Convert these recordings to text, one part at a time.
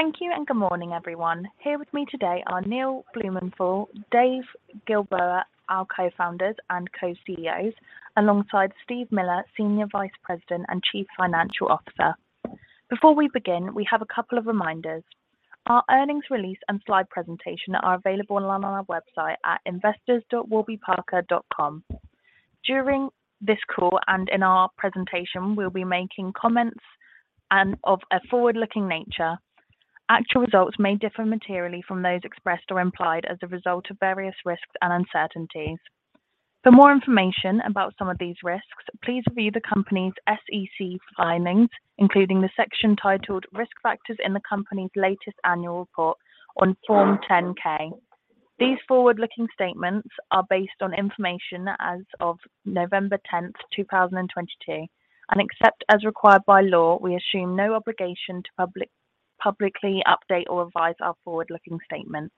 Thank you and good morning, everyone. Here with me today are Neil Blumenthal, Dave Gilboa, our co-founders and co-CEOs, alongside Steve Miller, Senior Vice President and Chief Financial Officer. Before we begin, we have a couple of reminders. Our earnings release and slide presentation are available online on our website at investors.warbyparker.com. During this call and in our presentation, we'll be making comments of a forward-looking nature. Actual results may differ materially from those expressed or implied as a result of various risks and uncertainties. For more information about some of these risks, please review the company's SEC filings, including the section titled Risk Factors in the company's latest annual report on Form 10-K. These forward-looking statements are based on information as of November 10th, 2022, and except as required by law, we assume no obligation to publicly update or revise our forward-looking statements.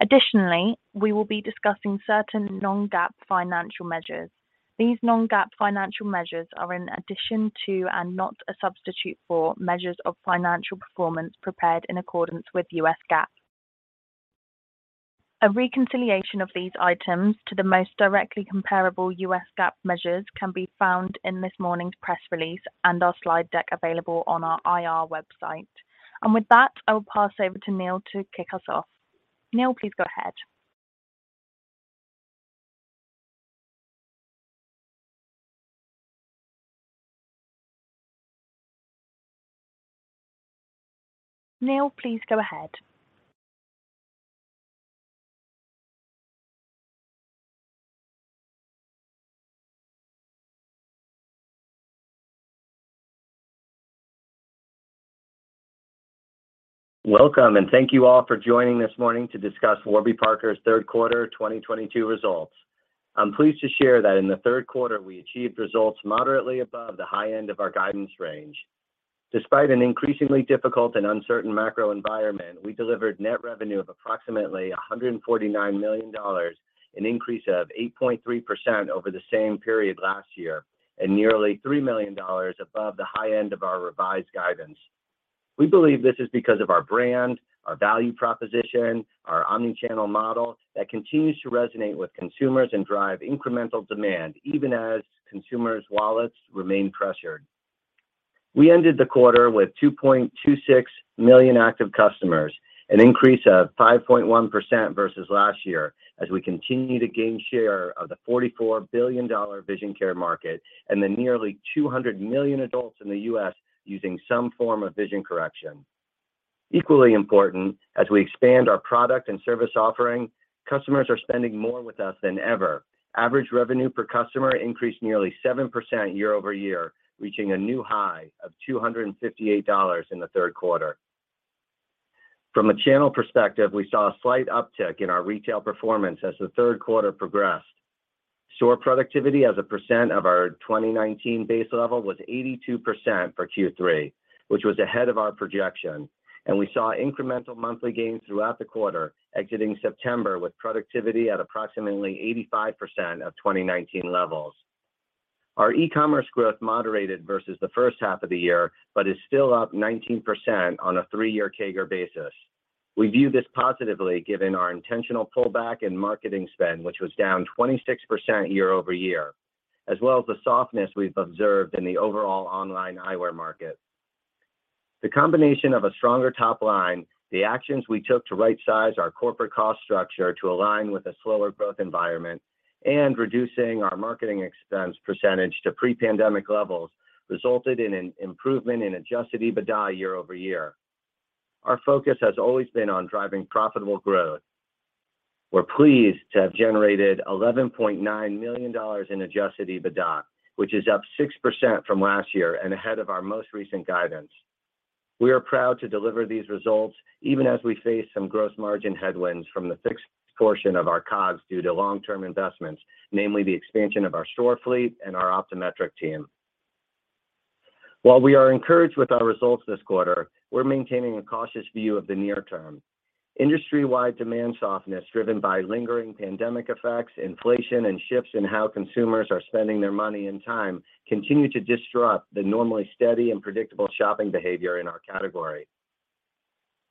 Additionally, we will be discussing certain non-GAAP financial measures. These non-GAAP financial measures are in addition to, and not a substitute for, measures of financial performance prepared in accordance with U.S. GAAP. A reconciliation of these items to the most directly comparable U.S. GAAP measures can be found in this morning's press release and our slide deck available on our IR website. With that, I will pass over to Neil to kick us off. Neil, please go ahead. Welcome, and thank you all for joining this morning to discuss Warby Parker's Q3 of 2022 results. I'm pleased to share that in the Q3, we achieved results moderately above the high end of our guidance range. Despite an increasingly difficult and uncertain macro environment, we delivered net revenue of approximately $149 million, an increase of 8.3% over the same period last year, and nearly $3 million above the high end of our revised guidance. We believe this is because of our brand, our value proposition, our omni-channel model that continues to resonate with consumers and drive incremental demand, even as consumers' wallets remain pressured. We ended the quarter with 2.26 million active customers, an increase of 5.1% versus last year, as we continue to gain share of the $44 billion vision care market and the nearly 200 million adults in the U.S. using some form of vision correction. Equally important, as we expand our product and service offering, customers are spending more with us than ever. Average revenue per customer increased nearly 7% year-over-year, reaching a new high of $258 in the Q3. From a channel perspective, we saw a slight uptick in our retail performance as the third quarter progressed. Store productivity as a percent of our 2019 base level was 82% for Q3, which was ahead of our projection, and we saw incremental monthly gains throughout the quarter, exiting September with productivity at approximately 85% of 2019 levels. Our e-commerce growth moderated versus the H1 of the year, but is still up 19% on a three-year CAGR basis. We view this positively given our intentional pullback in marketing spend, which was down 26% year-over-year, as well as the softness we've observed in the overall online eyewear market. The combination of a stronger top line, the actions we took to right size our corporate cost structure to align with a slower growth environment, and reducing our marketing expense percentage to pre-pandemic levels, resulted in an improvement in adjusted EBITDA year-over-year. Our focus has always been on driving profitable growth. We're pleased to have generated $11.9 million in adjusted EBITDA, which is up 6% from last year and ahead of our most recent guidance. We are proud to deliver these results even as we face some gross margin headwinds from the fixed portion of our COGS due to long-term investments, namely the expansion of our store fleet and our optometric team. While we are encouraged with our results this quarter, we're maintaining a cautious view of the near term. Industry-wide demand softness driven by lingering pandemic effects, inflation, and shifts in how consumers are spending their money and time continue to disrupt the normally steady and predictable shopping behavior in our category.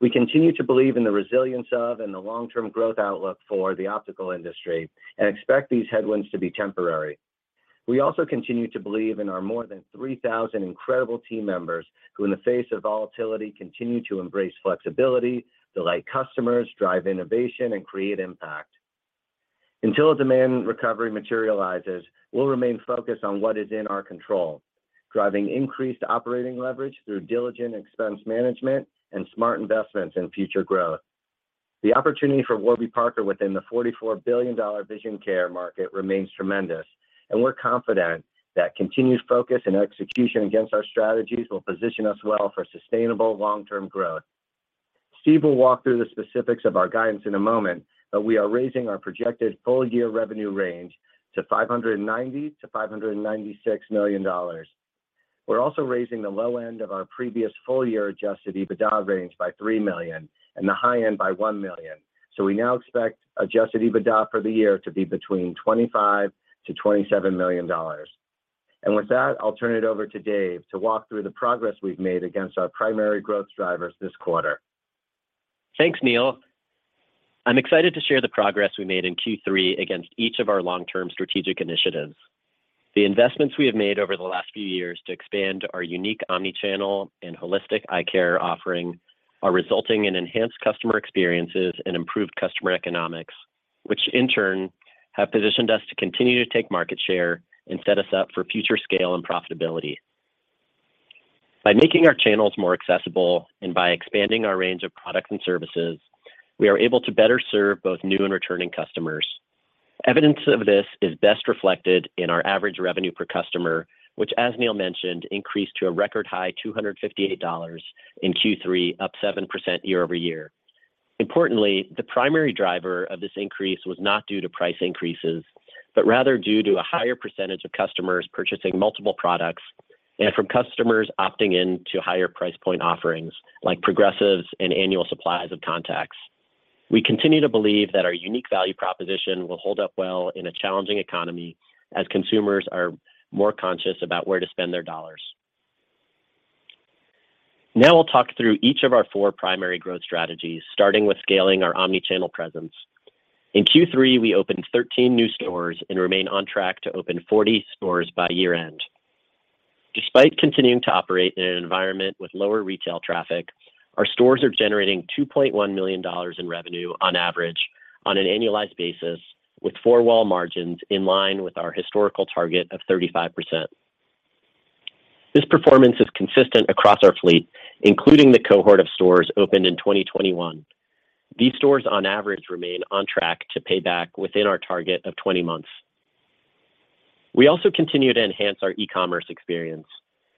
We continue to believe in the resilience of and the long-term growth outlook for the optical industry and expect these headwinds to be temporary. We also continue to believe in our more than 3,000 incredible team members who, in the face of volatility, continue to embrace flexibility, delight customers, drive innovation, and create impact. Until a demand recovery materializes, we'll remain focused on what is in our control, driving increased operating leverage through diligent expense management and smart investments in future growth. The opportunity for Warby Parker within the $44 billion vision care market remains tremendous, and we're confident that continued focus and execution against our strategies will position us well for sustainable long-term growth. Steve will walk through the specifics of our guidance in a moment, but we are raising our projected full year revenue range to $590 million-$596 million. We're also raising the low end of our previous full year adjusted EBITDA range by $3 million and the high end by $1 million. We now expect adjusted EBITDA for the year to be between $25 million-$27 million. With that, I'll turn it over to Dave to walk through the progress we've made against our primary growth drivers this quarter. Thanks, Neil. I'm excited to share the progress we made in Q3 against each of our long-term strategic initiatives. The investments we have made over the last few years to expand our unique omni-channel and holistic eye care offering are resulting in enhanced customer experiences and improved customer economics, which in turn have positioned us to continue to take market share and set us up for future scale and profitability. By making our channels more accessible and by expanding our range of products and services, we are able to better serve both new and returning customers. Evidence of this is best reflected in our average revenue per customer, which, as Neil mentioned, increased to a record high $258 in Q3, up 7% year-over-year. Importantly, the primary driver of this increase was not due to price increases, but rather due to a higher percentage of customers purchasing multiple products and from customers opting into higher price point offerings like progressives and annual supplies of contacts. We continue to believe that our unique value proposition will hold up well in a challenging economy as consumers are more conscious about where to spend their dollars. Now we'll talk through each of our four primary growth strategies, starting with scaling our omni-channel presence. In Q3, we opened 13 new stores and remain on track to open 40 stores by year-end. Despite continuing to operate in an environment with lower retail traffic, our stores are generating $2.1 million in revenue on average on an annualized basis, with four-wall margins in line with our historical target of 35%. This performance is consistent across our fleet, including the cohort of stores opened in 2021. These stores on average remain on track to pay back within our target of 20 months. We also continue to enhance our e-commerce experience.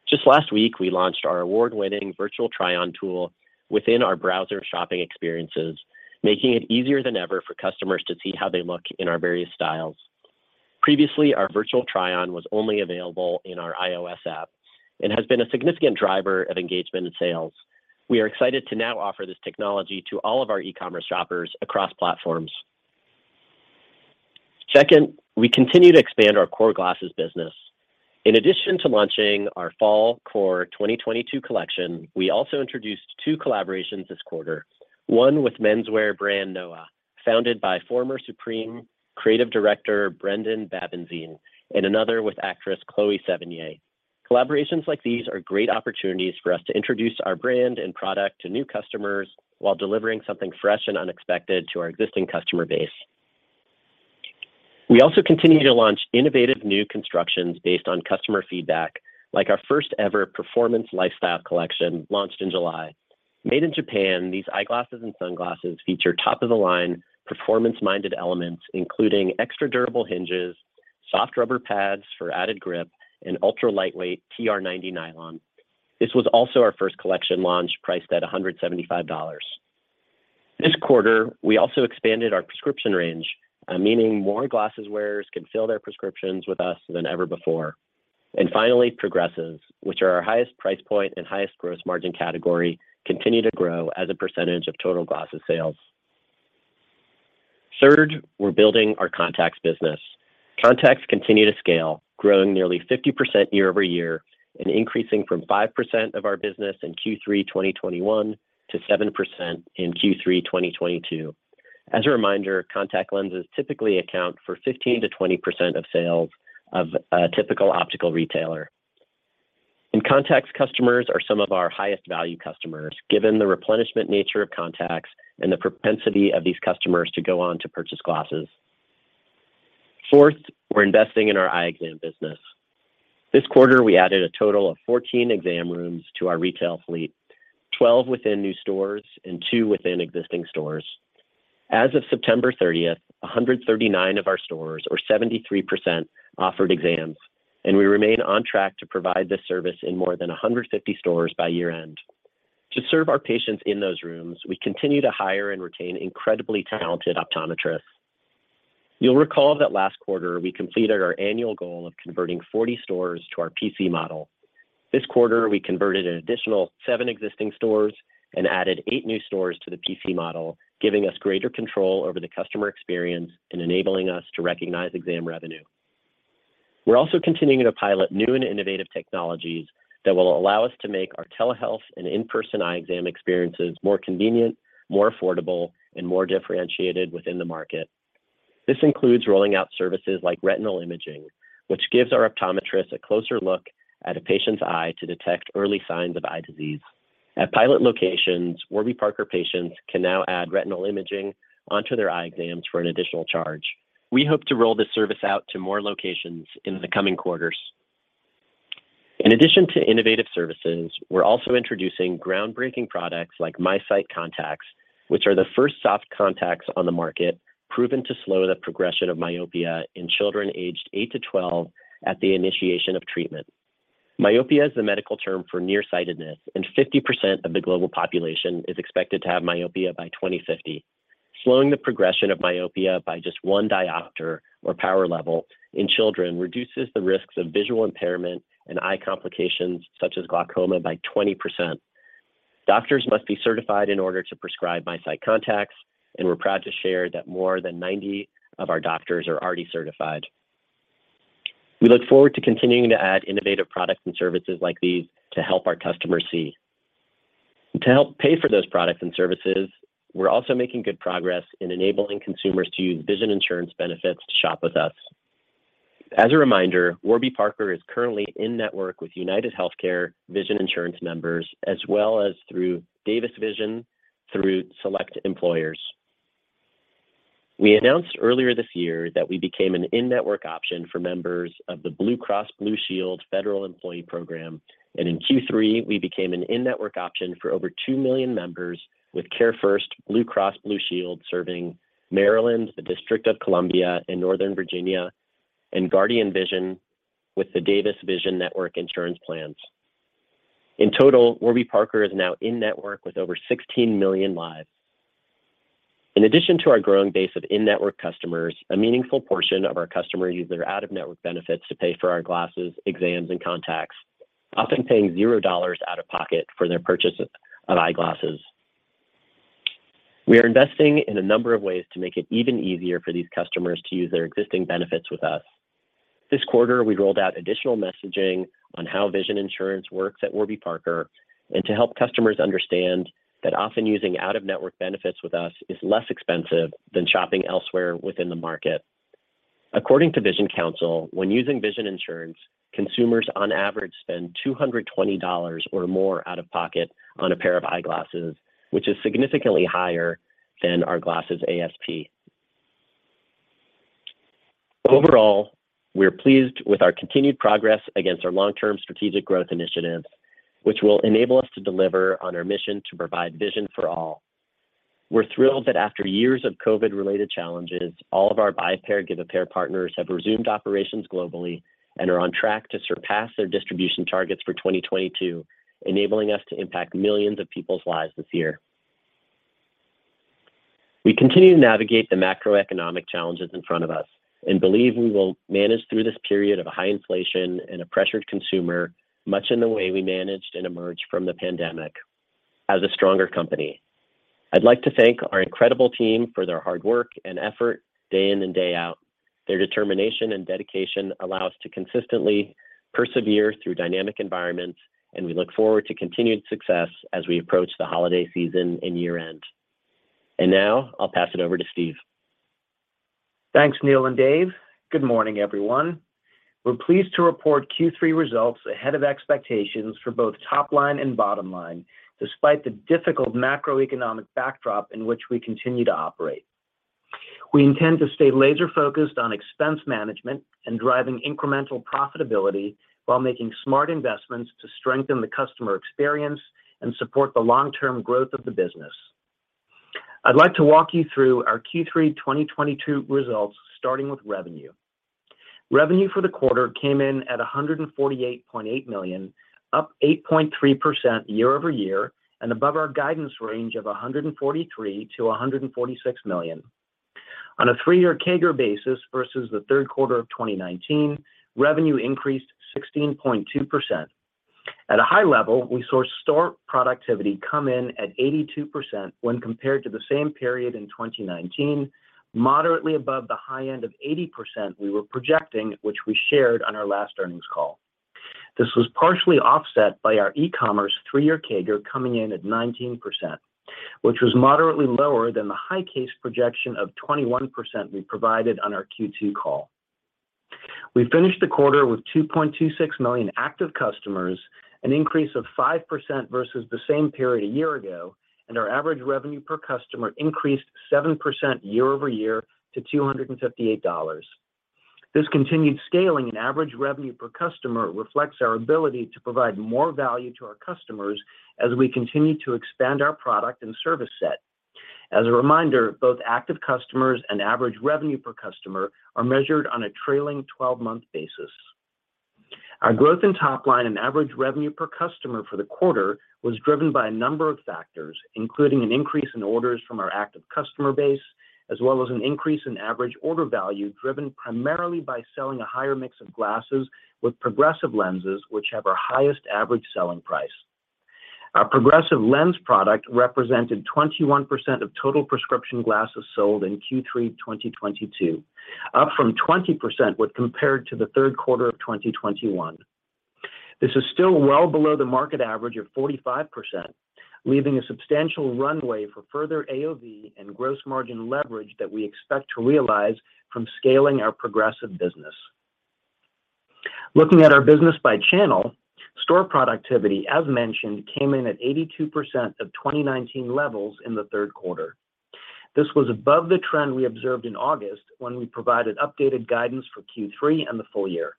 Just last week, we launched our award-winning Virtual Try-On tool within our browser shopping experiences, making it easier than ever for customers to see how they look in our various styles. Previously, our Virtual Try-On was only available in our iOS app and has been a significant driver of engagement and sales. We are excited to now offer this technology to all of our e-commerce shoppers across platforms. Second, we continue to expand our core glasses business. In addition to launching our Fall Core 2022 collection, we also introduced two collaborations this quarter, one with menswear brand Noah, founded by former Supreme Creative Director Brendon Babenzien, and another with actress Chloë Sevigny. Collaborations like these are great opportunities for us to introduce our brand and product to new customers while delivering something fresh and unexpected to our existing customer base. We also continue to launch innovative new constructions based on customer feedback, like our first ever performance lifestyle collection launched in July. Made in Japan, these eyeglasses and sunglasses feature top of the line performance minded elements, including extra durable hinges, soft rubber pads for added grip, and ultra lightweight TR90 nylon. This was also our first collection launch priced at $175. This quarter, we also expanded our prescription range, meaning more glasses wearers can fill their prescriptions with us than ever before. Finally, progressives, which are our highest price point and highest gross margin category, continue to grow as a percentage of total glasses sales. Third, we're building our contacts business. Contacts continue to scale, growing nearly 50% year-over-year and increasing from 5% of our business in Q3 2021 to 7% in Q3 2022. As a reminder, contact lenses typically account for 15%-20% of sales of a typical optical retailer. Contacts customers are some of our highest value customers, given the replenishment nature of contacts and the propensity of these customers to go on to purchase glasses. Fourth, we're investing in our eye exam business. This quarter, we added a total of 14 exam rooms to our retail fleet, 12 within new stores and two within existing stores. As of September 30, 139 of our stores, or 73%, offered exams, and we remain on track to provide this service in more than 150 stores by year end. To serve our patients in those rooms, we continue to hire and retain incredibly talented optometrists. You'll recall that last quarter we completed our annual goal of converting 40 stores to our PC model. This quarter, we converted an additional seven existing stores and added eight new stores to the PC model, giving us greater control over the customer experience and enabling us to recognize exam revenue. We're also continuing to pilot new and innovative technologies that will allow us to make our telehealth and in-person eye exam experiences more convenient, more affordable, and more differentiated within the market. This includes rolling out services like retinal imaging, which gives our optometrists a closer look at a patient's eye to detect early signs of eye disease. At pilot locations, Warby Parker patients can now add retinal imaging onto their eye exams for an additional charge. We hope to roll this service out to more locations in the coming quarters. In addition to innovative services, we're also introducing groundbreaking products like MiSight contacts, which are the first soft contacts on the market proven to slow the progression of myopia in children aged 8-12 at the initiation of treatment. Myopia is the medical term for nearsightedness, and 50% of the global population is expected to have myopia by 2050. Slowing the progression of myopia by just one diopter or power level in children reduces the risks of visual impairment and eye complications such as glaucoma by 20%. Doctors must be certified in order to prescribe MiSight contacts, and we're proud to share that more than 90 of our doctors are already certified. We look forward to continuing to add innovative products and services like these to help our customers see. To help pay for those products and services, we're also making good progress in enabling consumers to use vision insurance benefits to shop with us. As a reminder, Warby Parker is currently in network with UnitedHealthcare vision insurance members, as well as through Davis Vision through select employers. We announced earlier this year that we became an in-network option for members of the Blue Cross and Blue Shield Federal Employee Program, and in Q3, we became an in-network option for over two million members with CareFirst BlueCross BlueShield serving Maryland, the District of Columbia, and Northern Virginia, and Guardian Vision with the Davis Vision network insurance plans. In total, Warby Parker is now in network with over 16 million lives. In addition to our growing base of in-network customers, a meaningful portion of our customers use their out-of-network benefits to pay for our glasses, exams, and contacts, often paying $0 out of pocket for their purchase of eyeglasses. We are investing in a number of ways to make it even easier for these customers to use their existing benefits with us. This quarter, we rolled out additional messaging on how vision insurance works at Warby Parker and to help customers understand that often using out-of-network benefits with us is less expensive than shopping elsewhere within the market. According to The Vision Council, when using vision insurance, consumers on average spend $220 or more out of pocket on a pair of eyeglasses, which is significantly higher than our glasses ASP. Overall, we're pleased with our continued progress against our long-term strategic growth initiatives, which will enable us to deliver on our mission to provide vision for all. We're thrilled that after years of COVID-related challenges, all of our buy a pair, give a pair partners have resumed operations globally and are on track to surpass their distribution targets for 2022, enabling us to impact millions of people's lives this year. We continue to navigate the macroeconomic challenges in front of us and believe we will manage through this period of high inflation and a pressured consumer much in the way we managed and emerged from the pandemic as a stronger company. I'd like to thank our incredible team for their hard work and effort day in and day out. Their determination and dedication allow us to consistently persevere through dynamic environments, and we look forward to continued success as we approach the holiday season and year-end. Now I'll pass it over to Steve. Thanks, Neil and Dave. Good morning, everyone. We're pleased to report Q3 results ahead of expectations for both top line and bottom line, despite the difficult macroeconomic backdrop in which we continue to operate. We intend to stay laser focused on expense management and driving incremental profitability while making smart investments to strengthen the customer experience and support the long-term growth of the business. I'd like to walk you through our Q3 2022 results, starting with revenue. Revenue for the quarter came in at $148.8 million, up 8.3% year over year and above our guidance range of $143 million-$146 million. On a three-year CAGR basis versus the Q3 of 2019, revenue increased 16.2%. At a high level, we saw store productivity come in at 82% when compared to the same period in 2019, moderately above the high end of 80% we were projecting, which we shared on our last earnings call. This was partially offset by our e-commerce three-year CAGR coming in at 19%, which was moderately lower than the high case projection of 21% we provided on our Q2 call. We finished the quarter with 2.26 million active customers, an increase of 5% versus the same period a year ago, and our average revenue per customer increased 7% year-over-year to $258. This continued scaling in average revenue per customer reflects our ability to provide more value to our customers as we continue to expand our product and service set. As a reminder, both active customers and average revenue per customer are measured on a trailing 12-month basis. Our growth in top line and average revenue per customer for the quarter was driven by a number of factors, including an increase in orders from our active customer base, as well as an increase in average order value driven primarily by selling a higher mix of glasses with progressive lenses, which have our highest average selling price. Our progressive lens product represented 21% of total prescription glasses sold in Q3 2022, up from 20% when compared to the Q3 of 2021. This is still well below the market average of 45%, leaving a substantial runway for further AOV and gross margin leverage that we expect to realize from scaling our progressive business. Looking at our business by channel, store productivity, as mentioned, came in at 82% of 2019 levels in the third quarter. This was above the trend we observed in August when we provided updated guidance for Q3 and the full year.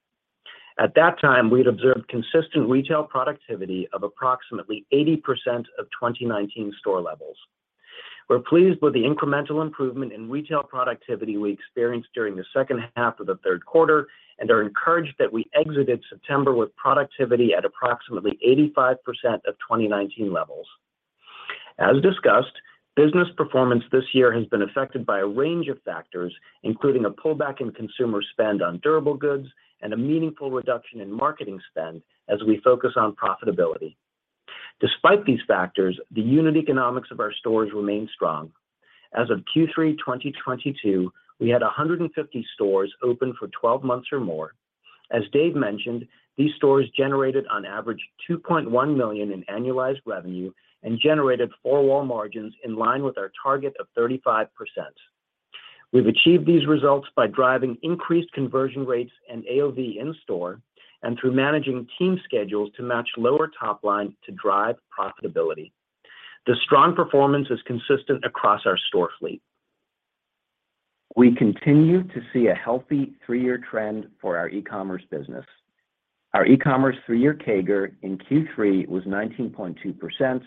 At that time, we had observed consistent retail productivity of approximately 80% of 2019 store levels. We're pleased with the incremental improvement in retail productivity we experienced during the second half of the third quarter and are encouraged that we exited September with productivity at approximately 85% of 2019 levels. As discussed, business performance this year has been affected by a range of factors, including a pullback in consumer spend on durable goods and a meaningful reduction in marketing spend as we focus on profitability. Despite these factors, the unit economics of our stores remain strong. As of Q3 2022, we had 150 stores open for 12 months or more. As Dave mentioned, these stores generated on average $2.1 million in annualized revenue and generated four-wall margins in line with our target of 35%. We've achieved these results by driving increased conversion rates and AOV in store and through managing team schedules to match lower top line to drive profitability. The strong performance is consistent across our store fleet. We continue to see a healthy three-year trend for our e-commerce business. Our e-commerce three-year CAGR in Q3 was 19.2%,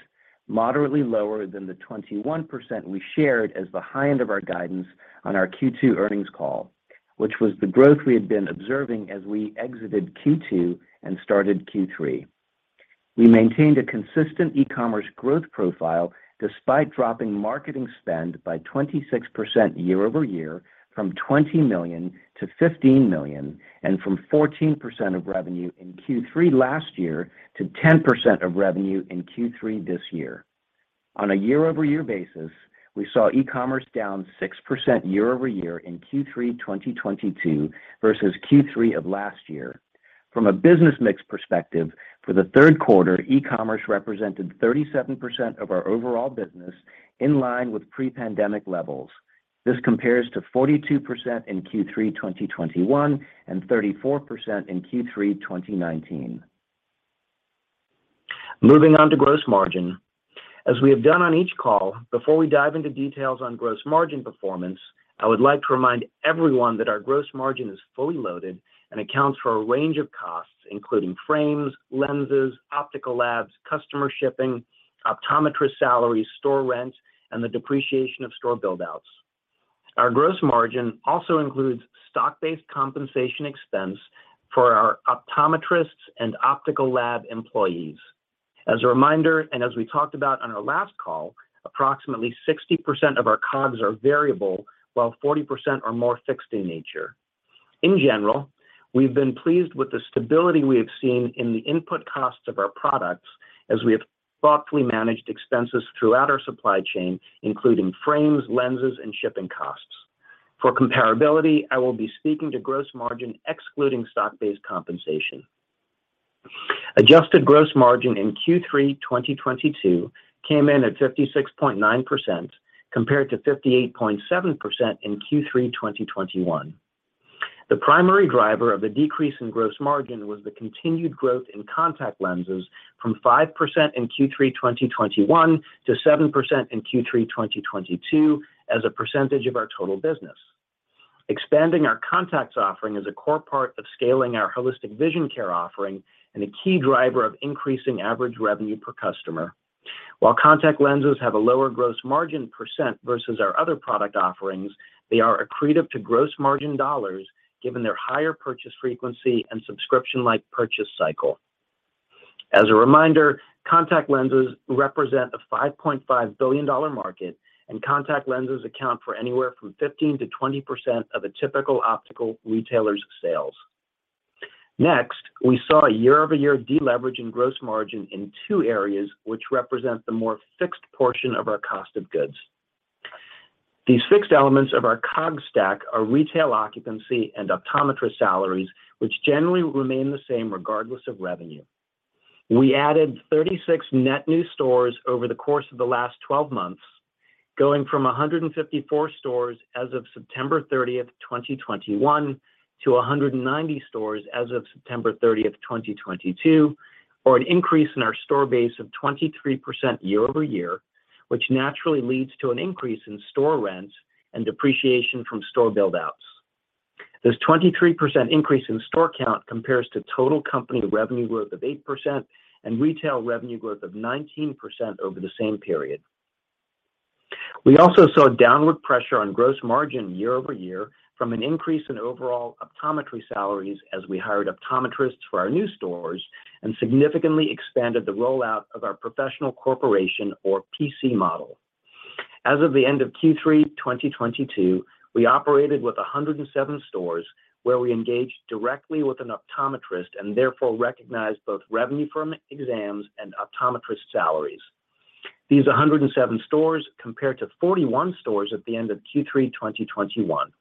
moderately lower than the 21% we shared as the high end of our guidance on our Q2 earnings call, which was the growth we had been observing as we exited Q2 and started Q3. We maintained a consistent e-commerce growth profile despite dropping marketing spend by 26% year-over-year from $20 million to $15 million, and from 14% of revenue in Q3 last year to 10% of revenue in Q3 this year. On a year-over-year basis, we saw e-commerce down 6% year-over-year in Q3 2022 versus Q3 of last year. From a business mix perspective, for the Q3, e-commerce represented 37% of our overall business in line with pre-pandemic levels. This compares to 42% in Q3 2021 and 34% in Q3 2019. Moving on to gross margin. As we have done on each call, before we dive into details on gross margin performance, I would like to remind everyone that our gross margin is fully loaded and accounts for a range of costs, including frames, lenses, optical labs, customer shipping, optometrist salaries, store rent, and the depreciation of store build outs. Our gross margin also includes stock-based compensation expense for our optometrists and optical lab employees. As a reminder, and as we talked about on our last call, approximately 60% of our COGS are variable, while 40% are more fixed in nature. In general, we've been pleased with the stability we have seen in the input costs of our products as we have thoughtfully managed expenses throughout our supply chain, including frames, lenses, and shipping costs. For comparability, I will be speaking to gross margin excluding stock-based compensation. Adjusted gross margin in Q3 2022 came in at 56.9% compared to 58.7% in Q3 2021. The primary driver of the decrease in gross margin was the continued growth in contact lenses from 5% in Q3 2021 to 7% in Q3 2022 as a percentage of our total business. Expanding our contacts offering is a core part of scaling our holistic vision care offering and a key driver of increasing average revenue per customer. While contact lenses have a lower gross margin percent versus our other product offerings, they are accretive to gross margin dollars given their higher purchase frequency and subscription-like purchase cycle. As a reminder, contact lenses represent a $5.5 billion market, and contact lenses account for anywhere from 15%-20% of a typical optical retailer's sales. Next, we saw a year-over-year deleverage in gross margin in two areas which represent the more fixed portion of our cost of goods. These fixed elements of our COGS stack are retail occupancy and optometrist salaries, which generally remain the same regardless of revenue. We added 36 net new stores over the course of the last twelve months, going from 154 stores as of September 30, 2021 to 190 stores as of September 30, 2022, or an increase in our store base of 23% year over year, which naturally leads to an increase in store rent and depreciation from store build outs. This 23% increase in store count compares to total company revenue growth of 8% and retail revenue growth of 19% over the same period. We also saw downward pressure on gross margin year over year from an increase in overall optometry salaries as we hired optometrists for our new stores and significantly expanded the rollout of our professional corporation or PC model. As of the end of Q3 2022, we operated with 107 stores where we engaged directly with an optometrist and therefore recognized both revenue from exams and optometrist salaries. These 107 stores compared to 41 stores at the end of Q3 2021.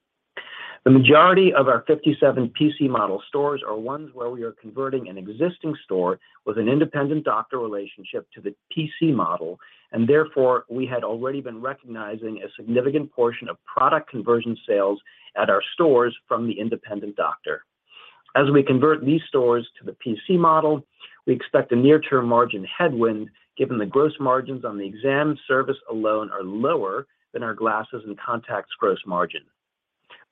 The majority of our 57 PC model stores are ones where we are converting an existing store with an independent doctor relationship to the PC model, and therefore, we had already been recognizing a significant portion of product conversion sales at our stores from the independent doctor. As we convert these stores to the PC model, we expect a near term margin headwind given the gross margins on the exam service alone are lower than our glasses and contacts gross margin.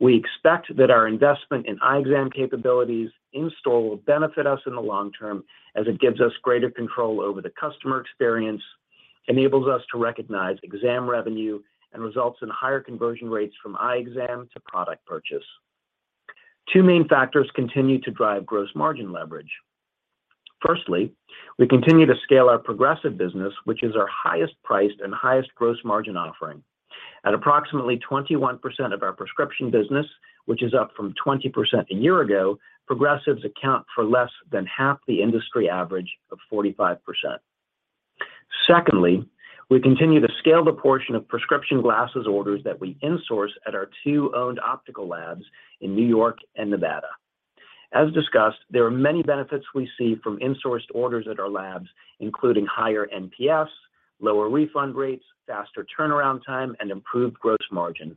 We expect that our investment in eye exam capabilities in store will benefit us in the long term as it gives us greater control over the customer experience, enables us to recognize exam revenue, and results in higher conversion rates from eye exam to product purchase. Two main factors continue to drive gross margin leverage. Firstly, we continue to scale our progressive business, which is our highest priced and highest gross margin offering. At approximately 21% of our prescription business, which is up from 20% a year ago, progressives account for less than half the industry average of 45%. Secondly, we continue to scale the portion of prescription glasses orders that we insource at our two owned optical labs in New York and Nevada. As discussed, there are many benefits we see from insourced orders at our labs, including higher NPS, lower refund rates, faster turnaround time, and improved gross margin.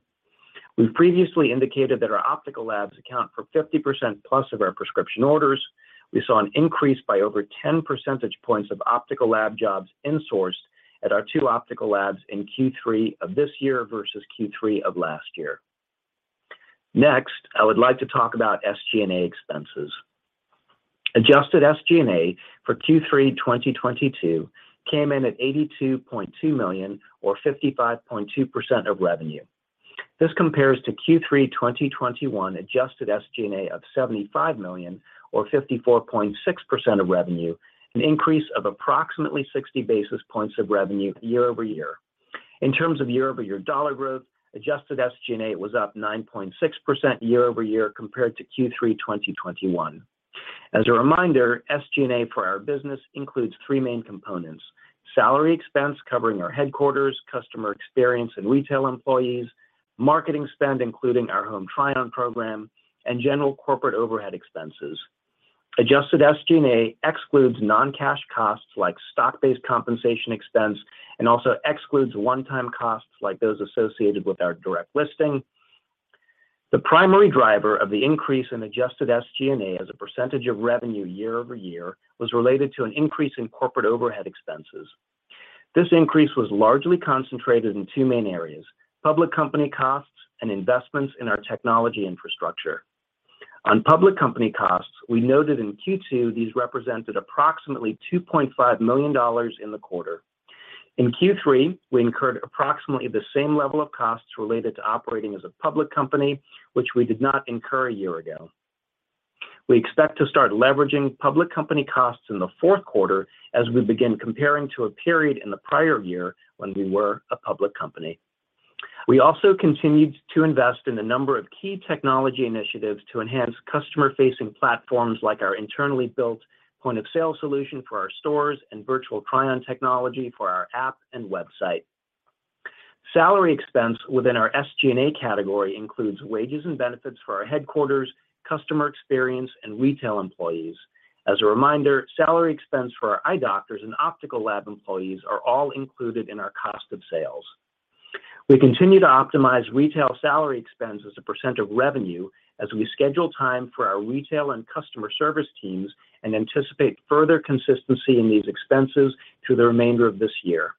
We've previously indicated that our optical labs account for 50% plus of our prescription orders. We saw an increase by over 10 percentage points of optical lab jobs insourced at our two optical labs in Q3 of this year versus Q3 of last year. Next, I would like to talk about SG&A expenses. Adjusted SG&A for Q3 2022 came in at $82.2 million or 55.2% of revenue. This compares to Q3 2021 adjusted SG&A of $75 million or 54.6% of revenue, an increase of approximately 60 basis points of revenue year-over-year. In terms of year-over-year dollar growth, adjusted SG&A was up 9.6% year-over-year compared to Q3 2021. As a reminder, SG&A for our business includes three main components, salary expense covering our headquarters, customer experience, and retail employees, marketing spend including our Home Try-On program, and general corporate overhead expenses. Adjusted SG&A excludes non-cash costs like stock-based compensation expense and also excludes one-time costs like those associated with our direct listing. The primary driver of the increase in adjusted SG&A as a percentage of revenue year-over-year was related to an increase in corporate overhead expenses. This increase was largely concentrated in two main areas, public company costs and investments in our technology infrastructure. On public company costs, we noted in Q2 these represented approximately $2.5 million in the quarter. In Q3, we incurred approximately the same level of costs related to operating as a public company, which we did not incur a year ago. We expect to start leveraging public company costs in the Q4 as we begin comparing to a period in the prior year when we were a public company. We also continued to invest in a number of key technology initiatives to enhance customer-facing platforms like our internally built point-of-sale solution for our stores and Virtual Try-On technology for our app and website. Salary expense within our SG&A category includes wages and benefits for our headquarters, customer experience, and retail employees. As a reminder, salary expense for our eye doctors and optical lab employees are all included in our cost of sales. We continue to optimize retail salary expense as a percent of revenue as we schedule time for our retail and customer service teams and anticipate further consistency in these expenses through the remainder of this year.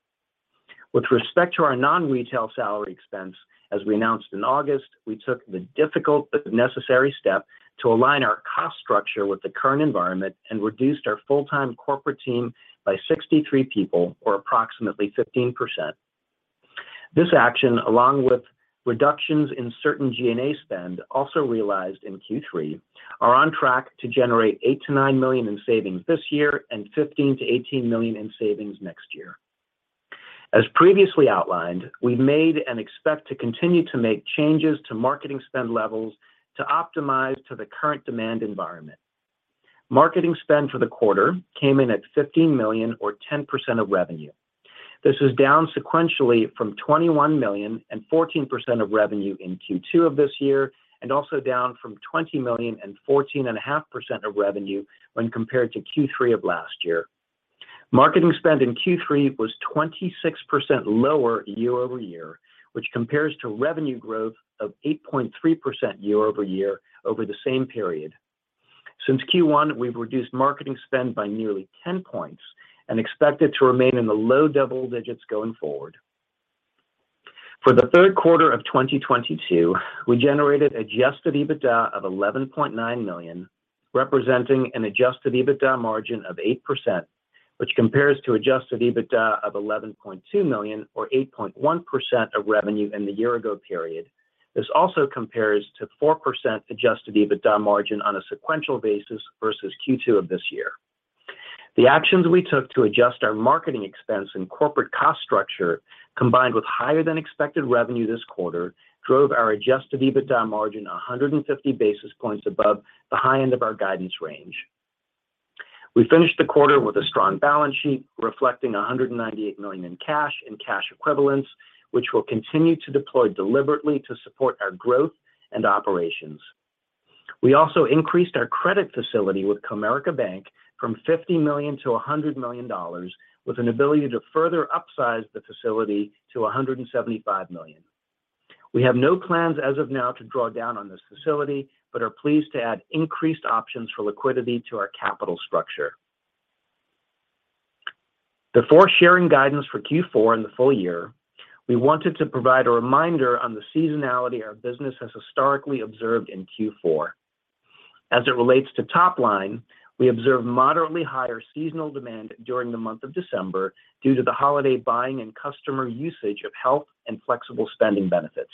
With respect to our non-retail salary expense, as we announced in August, we took the difficult but necessary step to align our cost structure with the current environment and reduced our full-time corporate team by 63 people or approximately 15%. This action, along with reductions in certain SG&A spend also realized in Q3, are on track to generate $8 million-$9 million in savings this year and $15 million-$18 million in savings next year. As previously outlined, we made and expect to continue to make changes to marketing spend levels to optimize to the current demand environment. Marketing spend for the quarter came in at $15 million or 10% of revenue. This is down sequentially from $21 million and 14% of revenue in Q2 of this year and also down from $20 million and 14.5% of revenue when compared to Q3 of last year. Marketing spend in Q3 was 26% lower year-over-year, which compares to revenue growth of 8.3% year-over-year over the same period. Since Q1, we've reduced marketing spend by nearly 10 points and expect it to remain in the low double digits going forward. For the Q3 of 2022, we generated adjusted EBITDA of $11.9 million, representing an adjusted EBITDA margin of 8%, which compares to adjusted EBITDA of $11.2 million or 8.1% of revenue in the year ago period. This also compares to 4% adjusted EBITDA margin on a sequential basis versus Q2 of this year. The actions we took to adjust our marketing expense and corporate cost structure, combined with higher than expected revenue this quarter, drove our adjusted EBITDA margin 150 basis points above the high end of our guidance range. We finished the quarter with a strong balance sheet reflecting $198 million in cash and cash equivalents, which we'll continue to deploy deliberately to support our growth and operations. We also increased our credit facility with Comerica Bank from $50 million to $100 million with an ability to further upsize the facility to $175 million. We have no plans as of now to draw down on this facility, but are pleased to add increased options for liquidity to our capital structure. Before sharing guidance for Q4 and the full year, we wanted to provide a reminder on the seasonality our business has historically observed in Q4. As it relates to top line, we observe moderately higher seasonal demand during the month of December due to the holiday buying and customer usage of health and flexible spending benefits.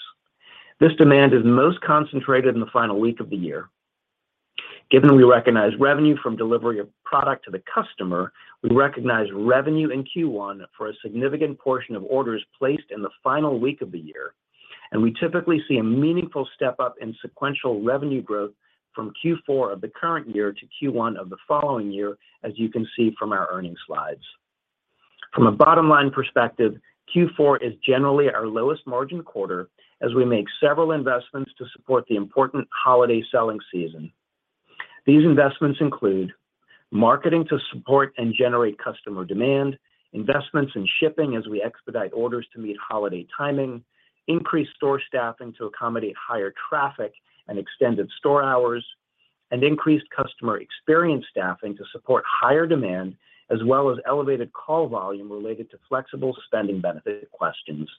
This demand is most concentrated in the final week of the year. Given we recognize revenue from delivery of product to the customer, we recognize revenue in Q1 for a significant portion of orders placed in the final week of the year, and we typically see a meaningful step-up in sequential revenue growth from Q4 of the current year to Q1 of the following year, as you can see from our earnings slides. From a bottom-line perspective, Q4 is generally our lowest margin quarter as we make several investments to support the important holiday selling season. These investments include marketing to support and generate customer demand, investments in shipping as we expedite orders to meet holiday timing, increased store staffing to accommodate higher traffic and extended store hours, and increased customer experience staffing to support higher demand, as well as elevated call volume related to flexible spending benefit questions.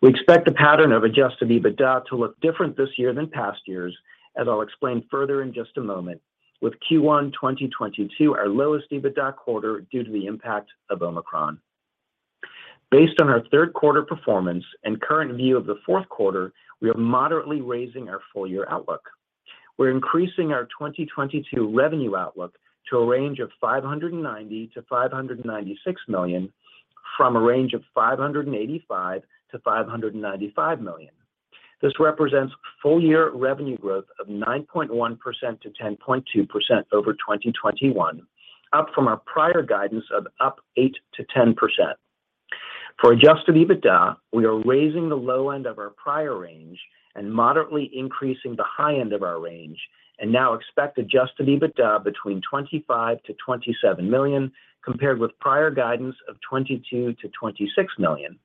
We expect the pattern of adjusted EBITDA to look different this year than past years, as I'll explain further in just a moment. With Q1 2022, our lowest EBITDA quarter due to the impact of Omicron. Based on our Q3 performance and current view of the Q4, we are moderately raising our full year outlook. We're increasing our 2022 revenue outlook to a range of $590 million-$596 million, from a range of $585 million-$595 million. This represents full year revenue growth of 9.1%-10.2% over 2021, up from our prior guidance of 8%-10%. For adjusted EBITDA, we are raising the low end of our prior range and moderately increasing the high end of our range, and now expect adjusted EBITDA between $25 million-$27 million, compared with prior guidance of $22 million-$26 million.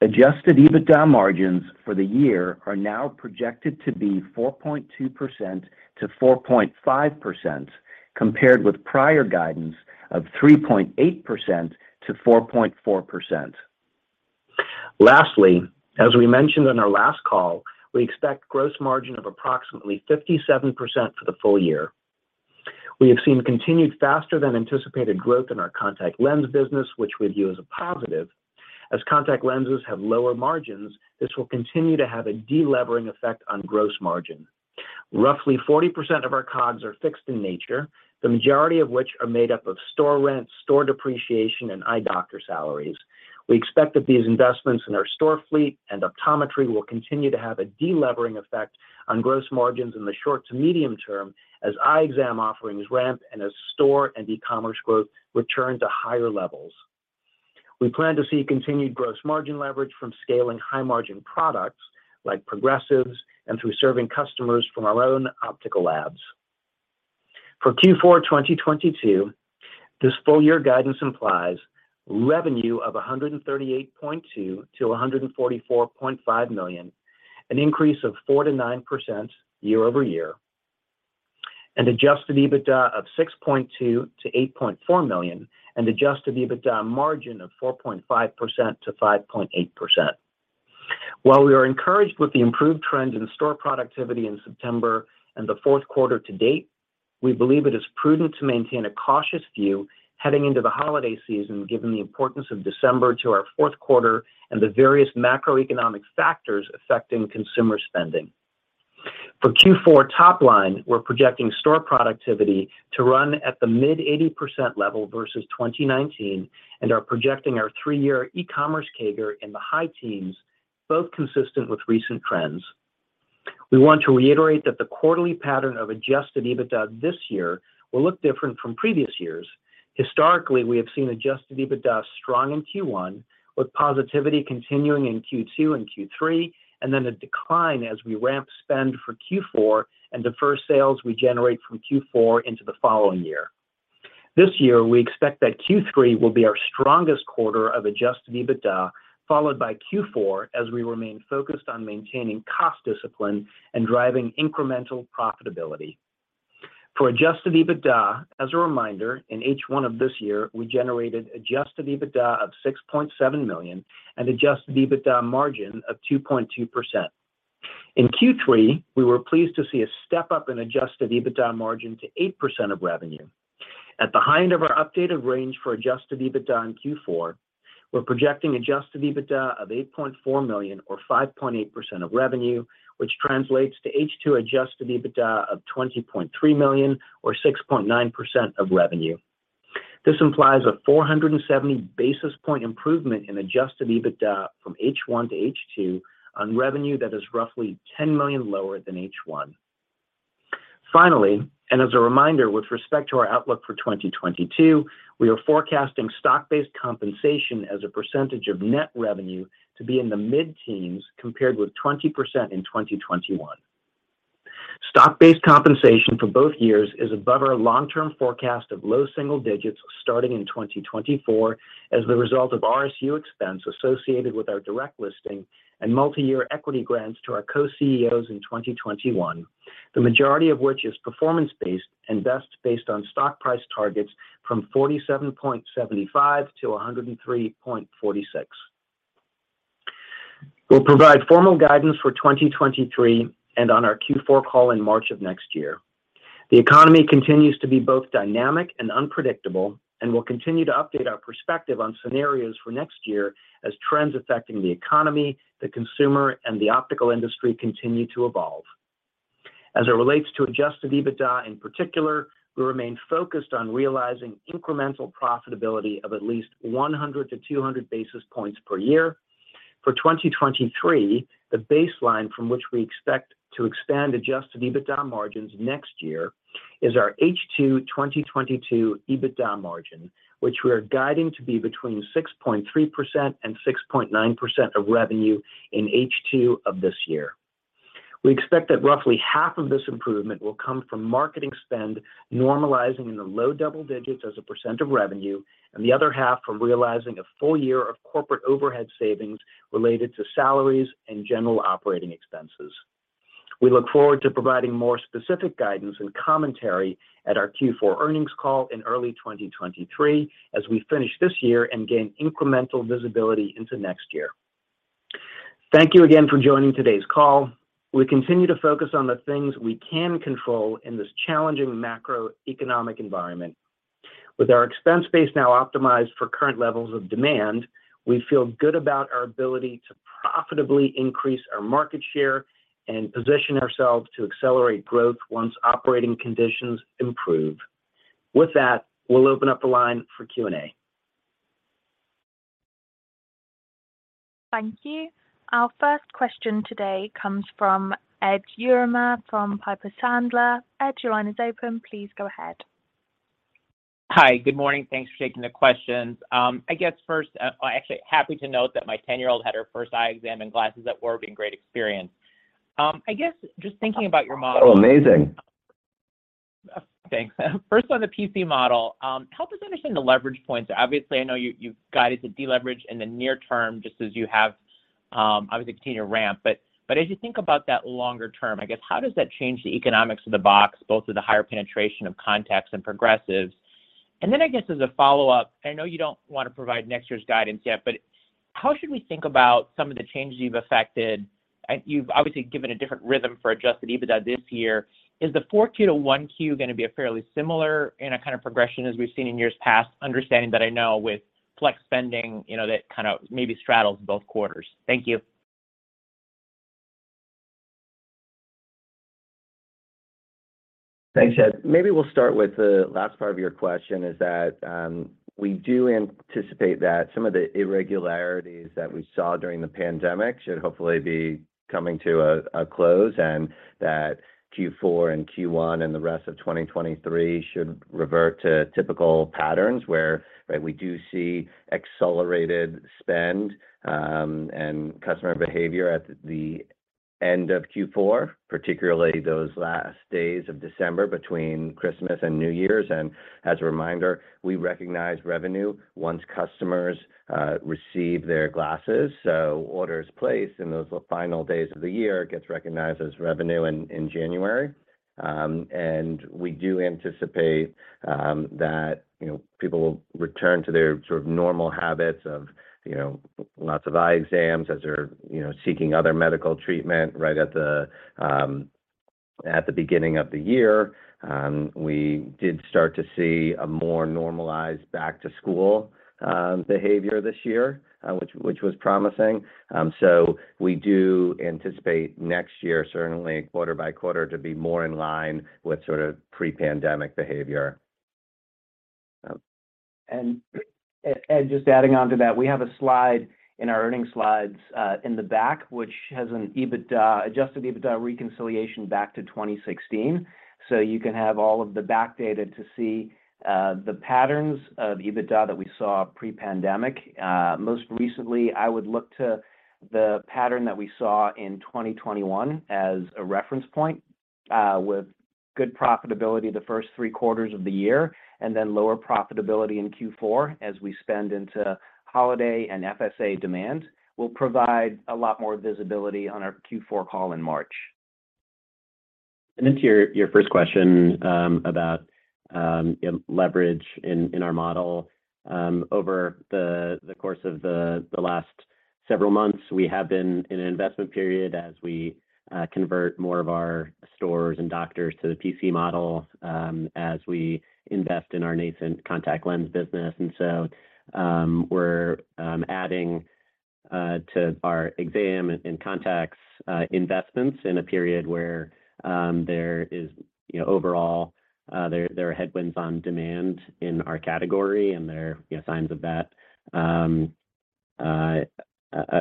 Adjusted EBITDA margins for the year are now projected to be 4.2%-4.5%, compared with prior guidance of 3.8%-4.4%. Lastly, as we mentioned on our last call, we expect gross margin of approximately 57% for the full year. We have seen continued faster than anticipated growth in our contact lens business, which we view as a positive. As contact lenses have lower margins, this will continue to have a de-levering effect on gross margin. Roughly 40% of our COGS are fixed in nature, the majority of which are made up of store rent, store depreciation, and eye doctor salaries. We expect that these investments in our store fleet and optometry will continue to have a de-levering effect on gross margins in the short to medium term as eye exam offerings ramp and as store and e-commerce growth return to higher levels. We plan to see continued gross margin leverage from scaling high margin products like progressives and through serving customers from our own optical labs. For Q4 2022, this full year guidance implies revenue of $138.2 million-$144.5 million, an increase of 4%-9% year-over-year, and adjusted EBITDA of $6.2 million-$8.4 million, and adjusted EBITDA margin of 4.5%-5.8%. While we are encouraged with the improved trends in store productivity in September and the fourth quarter to date, we believe it is prudent to maintain a cautious view heading into the holiday season, given the importance of December to our Q4 and the various macroeconomic factors affecting consumer spending. For Q4 top line, we're projecting store productivity to run at the mid-80% level versus 2019, and are projecting our three-year e-commerce CAGR in the high teens, both consistent with recent trends. We want to reiterate that the quarterly pattern of adjusted EBITDA this year will look different from previous years. Historically, we have seen adjusted EBITDA strong in Q1, with positivity continuing in Q2 and Q3, and then a decline as we ramp spend for Q4 and defer sales we generate from Q4 into the following year. This year, we expect that Q3 will be our strongest quarter of adjusted EBITDA, followed by Q4 as we remain focused on maintaining cost discipline and driving incremental profitability. For adjusted EBITDA, as a reminder, in H1 of this year, we generated adjusted EBITDA of $6.7 million and adjusted EBITDA margin of 2.2%. In Q3, we were pleased to see a step up in adjusted EBITDA margin to 8% of revenue. At the high end of our updated range for adjusted EBITDA in Q4, we're projecting adjusted EBITDA of $8.4 million or 5.8% of revenue, which translates to H2 adjusted EBITDA of $20.3 million or 6.9% of revenue. This implies a 470 basis point improvement in adjusted EBITDA from H1 to H2 on revenue that is roughly $10 million lower than H1. Finally, and as a reminder, with respect to our outlook for 2022, we are forecasting stock-based compensation as a percentage of net revenue to be in the mid-teens, compared with 20% in 2021. Stock-based compensation for both years is above our long-term forecast of low single digits starting in 2024 as the result of RSU expense associated with our direct listing and multi-year equity grants to our Co-CEOs in 2021, the majority of which is performance based and vests based on stock price targets from $47.75-$103.46. We'll provide formal guidance for 2023 and on our Q4 call in March of next year. The economy continues to be both dynamic and unpredictable, and we'll continue to update our perspective on scenarios for next year as trends affecting the economy, the consumer, and the optical industry continue to evolve. As it relates to adjusted EBITDA in particular, we remain focused on realizing incremental profitability of at least 100-200 basis points per year. For 2023, the baseline from which we expect to expand adjusted EBITDA margins next year is our H2 2022 EBITDA margin, which we are guiding to be between 6.3% and 6.9% of revenue in H2 of this year. We expect that roughly half of this improvement will come from marketing spend normalizing in the low double digits as a % of revenue, and the other half from realizing a full year of corporate overhead savings related to salaries and general operating expenses. We look forward to providing more specific guidance and commentary at our Q4 earnings call in early 2023 as we finish this year and gain incremental visibility into next year. Thank you again for joining today's call. We continue to focus on the things we can control in this challenging macroeconomic environment. With our expense base now optimized for current levels of demand, we feel good about our ability to profitably increase our market share and position ourselves to accelerate growth once operating conditions improve. With that, we'll open up the line for Q&A. Thank you. Our first question today comes from Edward Yruma from Piper Sandler. Ed, your line is open. Please go ahead. Hi, good morning. Thanks for taking the questions. Actually, happy to note that my 10-year-old had her first eye exam and glasses at Warby and great experience. I guess just thinking about your model. Oh, amazing. Thanks. First, on the PC model, help us understand the leverage points. Obviously, I know you've guided to deleverage in the near term just as you have, obviously continued to ramp, but as you think about that longer term, I guess how does that change the economics of the box, both with the higher penetration of contacts and progressives? And then I guess as a follow-up, I know you don't want to provide next year's guidance yet, but how should we think about some of the changes you've affected? You've obviously given a different rhythm for adjusted EBITDA this year. Is the Q4 to Q1 gonna be a fairly similar in a kind of progression as we've seen in years past? Understanding that I know with flex spending, you know, that kind of maybe straddles both quarters. Thank you. Thanks, Ed. Maybe we'll start with the last part of your question is that we do anticipate that some of the irregularities that we saw during the pandemic should hopefully be coming to a close, and that Q4 and Q1 and the rest of 2023 should revert to typical patterns where, right, we do see accelerated spend and customer behavior at the end of Q4, particularly those last days of December between Christmas and New Year's. As a reminder, we recognize revenue once customers receive their glasses. Orders placed in those final days of the year gets recognized as revenue in January. We do anticipate that, you know, people will return to their sort of normal habits of, you know, lots of eye exams as they're, you know, seeking other medical treatment right at the beginning of the year. We did start to see a more normalized back to school behavior this year, which was promising. We do anticipate next year, certainly quarter by quarter, to be more in line with sort of pre-pandemic behavior. Ed, just adding on to that, we have a slide in our earnings slides in the back, which has an adjusted EBITDA reconciliation back to 2016. You can have all of the back data to see the patterns of EBITDA that we saw pre-pandemic. Most recently, I would look to the pattern that we saw in 2021 as a reference point, with good profitability the first three quarters of the year and then lower profitability in Q4 as we spend into holiday and FSA demand. We'll provide a lot more visibility on our Q4 call in March. Then to your first question about leverage in our model. Over the course of the last several months, we have been in an investment period as we convert more of our stores and doctors to the PC model as we invest in our nascent contact lens business. We're adding to our exam and contacts investments in a period where there is, you know, overall, there are headwinds on demand in our category, and there are signs of that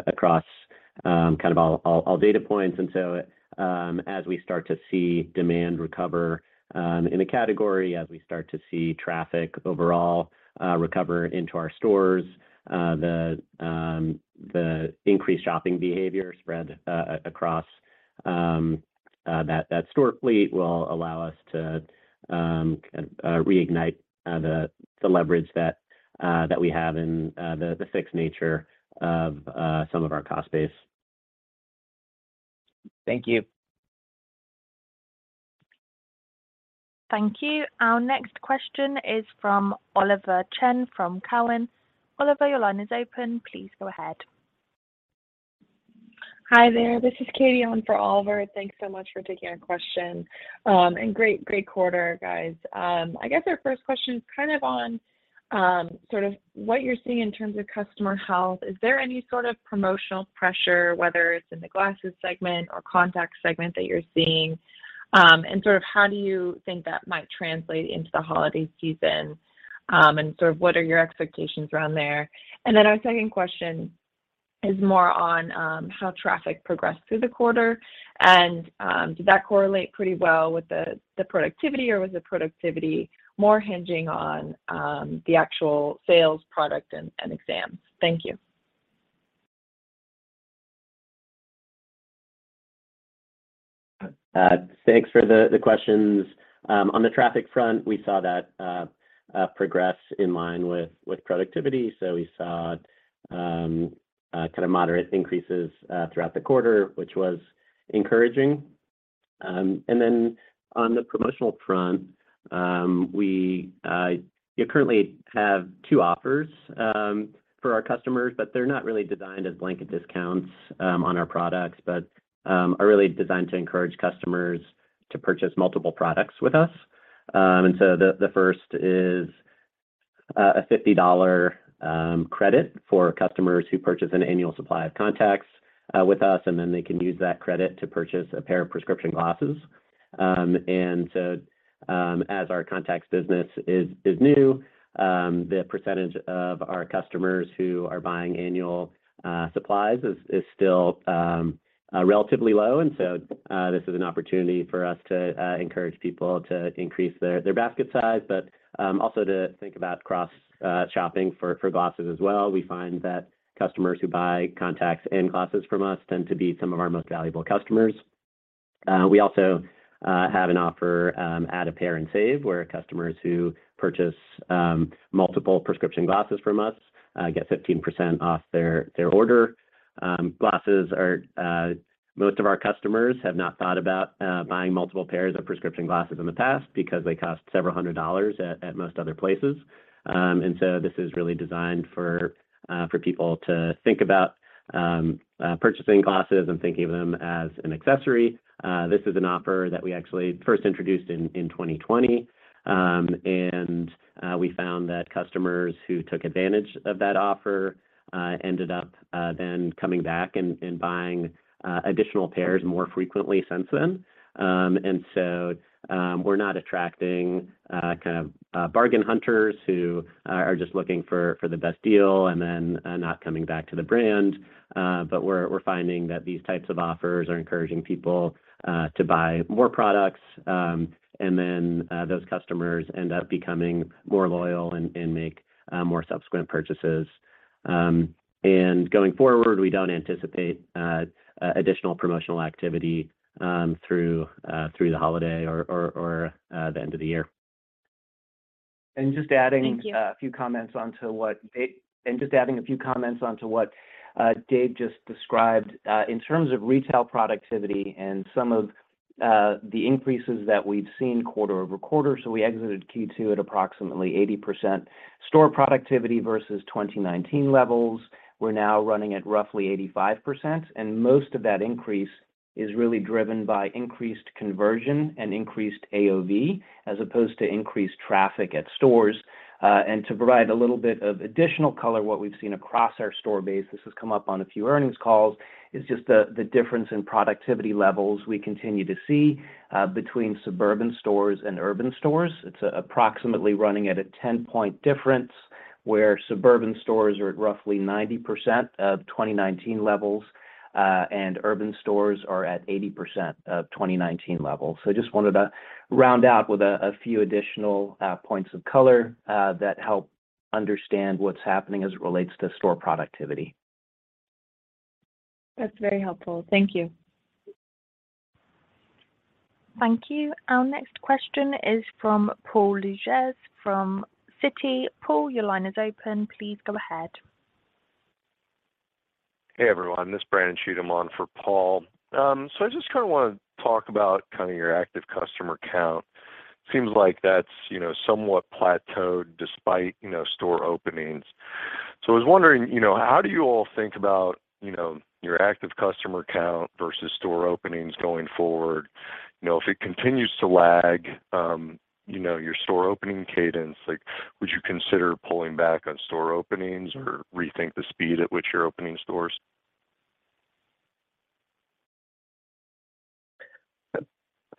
across kind of all data points. As we start to see demand recover in the category, as we start to see traffic overall recover into our stores, the increased shopping behavior spread across that store fleet will allow us to reignite the leverage that we have in the fixed nature of some of our cost base. Thank you. Thank you. Our next question is from Oliver Chen from Cowen. Oliver, your line is open. Please go ahead. Hi there. This is Katie on for Oliver. Thanks so much for taking our question. Great, great quarter, guys. I guess our first question is kind of on sort of what you're seeing in terms of customer health. Is there any sort of promotional pressure, whether it's in the glasses segment or contact segment that you're seeing? How do you think that might translate into the holiday season, and what are your expectations around there? Our second question is more on how traffic progressed through the quarter, and did that correlate pretty well with the productivity, or was the productivity more hinging on the actual sales product and exams? Thank you. Thanks for the questions. On the traffic front, we saw that progress in line with productivity. We saw kind of moderate increases throughout the quarter, which was encouraging. On the promotional front, we currently have two offers for our customers, but they're not really designed as blanket discounts on our products, but are really designed to encourage customers to purchase multiple products with us. The first is a $50 credit for customers who purchase an annual supply of contacts with us, and then they can use that credit to purchase a pair of prescription glasses. As our contacts business is new, the percentage of our customers who are buying annual supplies is still relatively low. This is an opportunity for us to encourage people to increase their basket size, but also to think about cross shopping for glasses as well. We find that customers who buy contacts and glasses from us tend to be some of our most valuable customers. We also have an offer, add a pair and save, where customers who purchase multiple prescription glasses from us get 15% off their order. Most of our customers have not thought about buying multiple pairs of prescription glasses in the past because they cost several hundred dollars at most other places. This is really designed for people to think about purchasing glasses and thinking of them as an accessory. This is an offer that we actually first introduced in 2020. We found that customers who took advantage of that offer ended up then coming back and buying additional pairs more frequently since then. We're not attracting kind of bargain hunters who are just looking for the best deal and then not coming back to the brand. We're finding that these types of offers are encouraging people to buy more products, and then those customers end up becoming more loyal and make more subsequent purchases. Going forward, we don't anticipate additional promotional activity through the holiday or the end of the year. Thank you. Just adding a few comments onto what Dave just described. In terms of retail productivity and some of the increases that we've seen quarter-over-quarter, we exited Q2 at approximately 80% store productivity versus 2019 levels. We're now running at roughly 85%, and most of that increase is really driven by increased conversion and increased AOV as opposed to increased traffic at stores. To provide a little bit of additional color, what we've seen across our store base, this has come up on a few earnings calls, is just the difference in productivity levels we continue to see between suburban stores and urban stores. It's approximately running at a 10-point difference, where suburban stores are at roughly 90% of 2019 levels, and urban stores are at 80% of 2019 levels. Just wanted to round out with a few additional points of color that help understand what's happening as it relates to store productivity. That's very helpful. Thank you. Thank you. Our next question is from Paul Lejuez from Citi. Paul, your line is open. Please go ahead. Hey, everyone, this is Brandon Cheatham. I'm on for Paul. I just kind of want to talk about kind of your active customer count. Seems like that's, you know, somewhat plateaued despite, you know, store openings. I was wondering, you know, how do you all think about, you know, your active customer count versus store openings going forward? You know, if it continues to lag, you know, your store opening cadence, like would you consider pulling back on store openings or rethink the speed at which you're opening stores?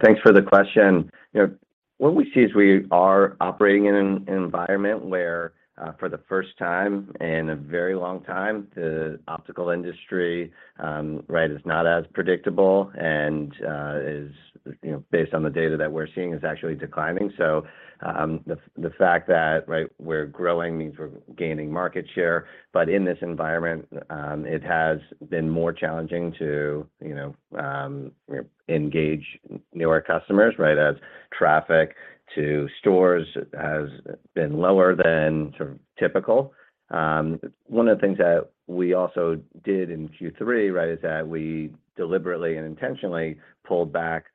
Thanks for the question. You know, what we see is we are operating in an environment where, for the first time in a very long time, the optical industry, right, is not as predictable and, based on the data that we're seeing, is actually declining. The fact that, right, we're growing means we're gaining market share, but in this environment, it has been more challenging to, you know, engage newer customers, right, as traffic to stores has been lower than sort of typical. One of the things that we also did in Q3, right, is that we deliberately and intentionally pulled back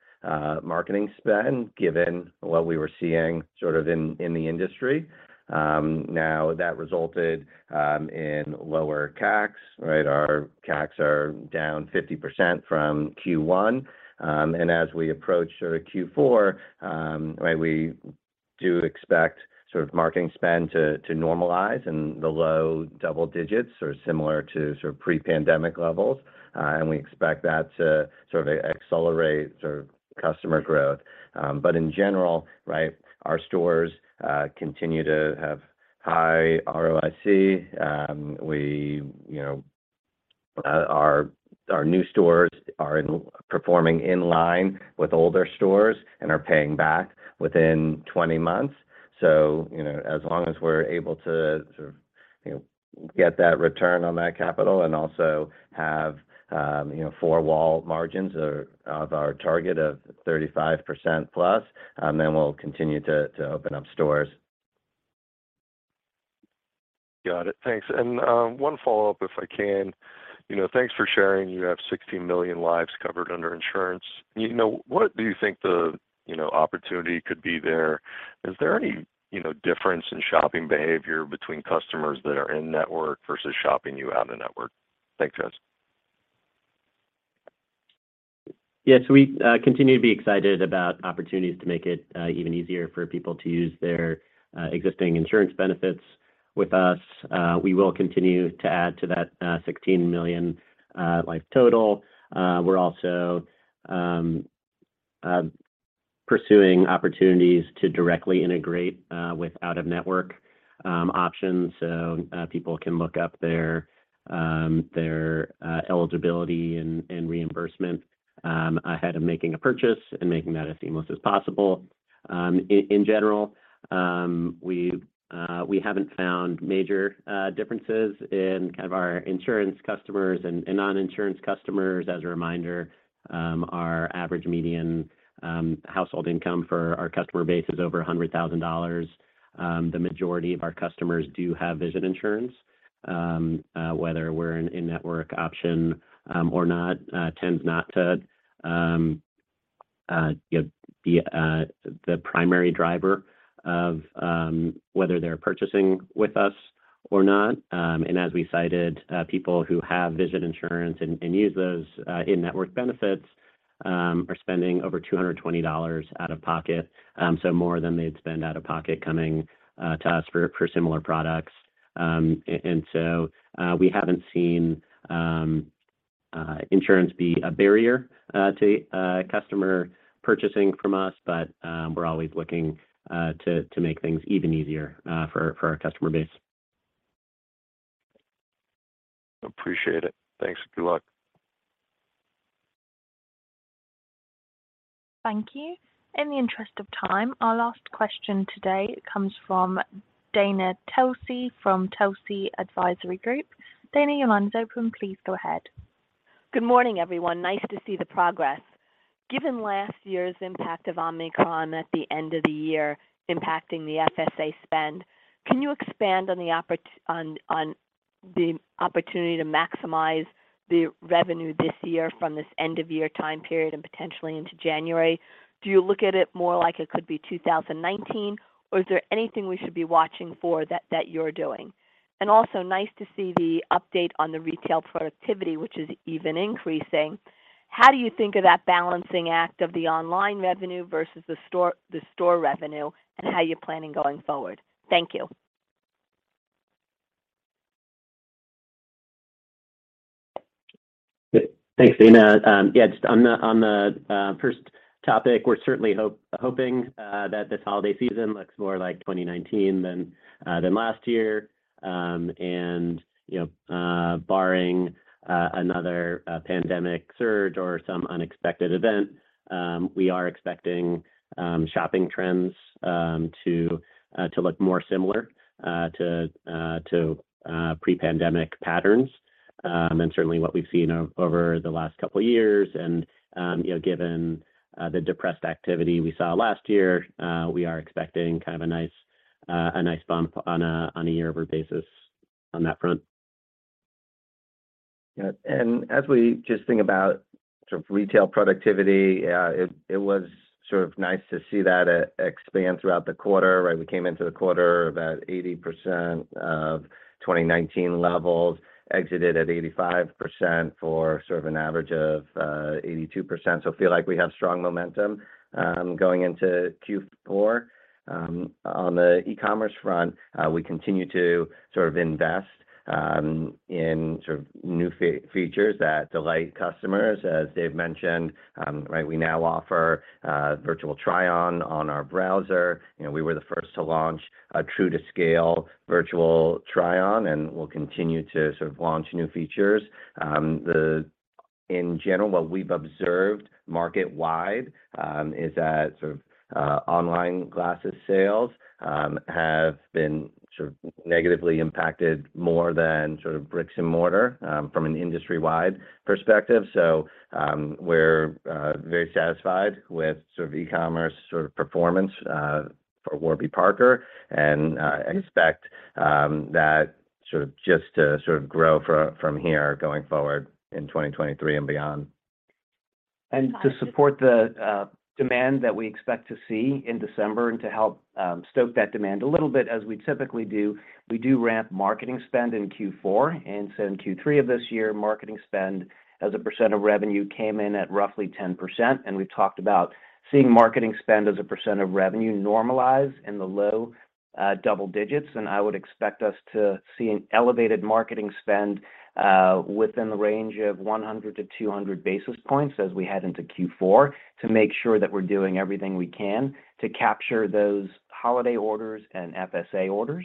marketing spend, given what we were seeing sort of in the industry. Now that resulted in lower CACs, right? Our CACs are down 50% from Q1. As we approach sort of Q4, right. We do expect sort of marketing spend to normalize in the low double digits or similar to sort of pre-pandemic levels. We expect that to sort of accelerate sort of customer growth. In general, right, our stores continue to have high ROIC. We, you know, our new stores are performing in line with older stores and are paying back within 20 months. You know, as long as we're able to sort of, you know, get that return on that capital and also have, you know, four-wall margins above our target of 35%+, then we'll continue to open up stores. Got it. Thanks. One follow-up if I can. You know, thanks for sharing that you have 16 million lives covered under insurance. You know, what do you think the, you know, opportunity could be there? Is there any, you know, difference in shopping behavior between customers that are in-network versus shopping with you out-of-network? Thanks, guys. Yeah. We continue to be excited about opportunities to make it even easier for people to use their existing insurance benefits with us. We will continue to add to that 16 million lives total. We're also pursuing opportunities to directly integrate with out-of-network options so people can look up their eligibility and reimbursement ahead of making a purchase and making that as seamless as possible. In general, we haven't found major differences in kind of our insurance customers and non-insurance customers. As a reminder, our average median household income for our customer base is over $100,000. The majority of our customers do have vision insurance, whether we're an in-network option or not tends not to, you know, be the primary driver of whether they're purchasing with us or not. As we cited, people who have vision insurance and use those in-network benefits are spending over $220 out of pocket, so more than they'd spend out of pocket coming to us for similar products. We haven't seen insurance be a barrier to customer purchasing from us, but we're always looking to make things even easier for our customer base. Appreciate it. Thanks. Good luck. Thank you. In the interest of time, our last question today comes from Dana Telsey from Telsey Advisory Group. Dana, your line's open. Please go ahead. Good morning, everyone. Nice to see the progress. Given last year's impact of Omicron at the end of the year impacting the FSA spend, can you expand on the opportunity to maximize the revenue this year from this end of year time period and potentially into January? Do you look at it more like it could be 2019, or is there anything we should be watching for that you're doing? Also nice to see the update on the retail productivity, which is even increasing. How do you think of that balancing act of the online revenue versus the store revenue, and how you're planning going forward? Thank you. Thanks, Dana. Just on the first topic, we're certainly hoping that this holiday season looks more like 2019 than last year. You know, barring another pandemic surge or some unexpected event, we are expecting shopping trends to look more similar to pre-pandemic patterns. Certainly what we've seen over the last couple of years, given the depressed activity we saw last year, we are expecting kind of a nice bump on a year-over-year basis on that front. Yeah. As we just think about sort of retail productivity, it was sort of nice to see that expand throughout the quarter, right? We came into the quarter about 80% of 2019 levels, exited at 85% for sort of an average of 82%. We feel like we have strong momentum going into Q4. On the e-commerce front, we continue to sort of invest in sort of new features that delight customers. As Dave mentioned, right, we now offer Virtual Try-On on our browser. You know, we were the first to launch a true-to-scale Virtual Try-On, and we'll continue to sort of launch new features. In general, what we've observed market-wide is that sort of online glasses sales have been sort of negatively impacted more than sort of bricks and mortar from an industry-wide perspective. We're very satisfied with sort of e-commerce sort of performance for Warby Parker. I expect that sort of just to sort of grow from here going forward in 2023 and beyond. To support the demand that we expect to see in December and to help stoke that demand a little bit as we typically do, we do ramp marketing spend in Q4. In Q3 of this year, marketing spend as a percent of revenue came in at roughly 10%, and we've talked about seeing marketing spend as a percent of revenue normalize in the low double digits. I would expect us to see an elevated marketing spend within the range of 100-200 basis points as we head into Q4 to make sure that we're doing everything we can to capture those holiday orders and FSA orders.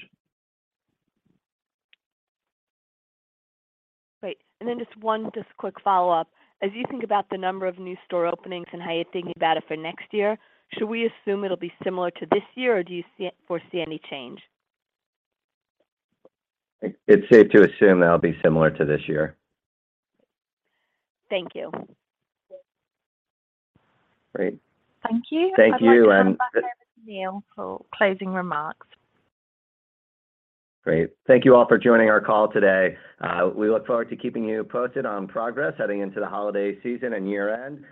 Great. One quick follow-up. As you think about the number of new store openings and how you're thinking about it for next year, should we assume it'll be similar to this year, or do you foresee any change? It's safe to assume that'll be similar to this year. Thank you. Great. Thank you. Thank you. I'd like to turn it back over to Neil for closing remarks. Great. Thank you all for joining our call today. We look forward to keeping you posted on progress heading into the holiday season and year-end.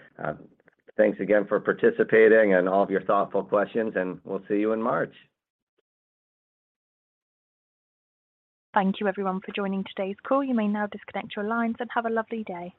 Thanks again for participating and all of your thoughtful questions, and we'll see you in March. Thank you everyone for joining today's call. You may now disconnect your lines, and have a lovely day.